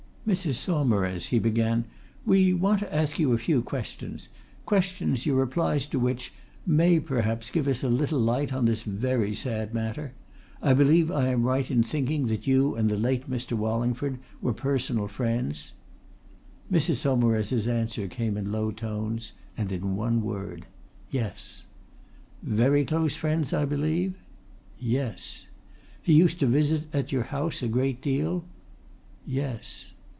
"Mrs. Saumarez," he began, "we want to ask you a few questions questions your replies to which may perhaps give us a little light on this very sad matter. I believe I am right in thinking that you and the late Mr. Wallingford were personal friends?" Mrs. Saumarez's answer came in low tones and in one word: "Yes." "Very close friends, I believe?" "Yes." "He used to visit at your house a great deal?" "Yes."